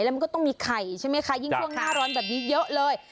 แล้วมันก็ต้องมีไข่ใช่ไหมคะยิ่งช่วงหน้าร้อนแบบนี้เยอะเลย